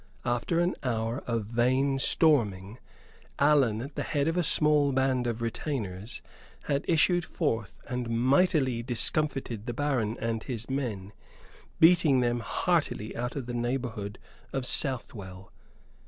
After an hour or so of vain storming, Allan, at the head of a small band of retainers, had issued forth and mightily discomfited the baron and his men, beating them heartily out of the neighborhood of Southwell.